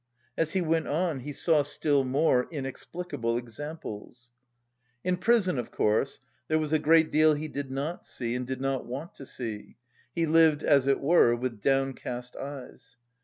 As he went on he saw still more inexplicable examples. In prison, of course, there was a great deal he did not see and did not want to see; he lived as it were with downcast eyes.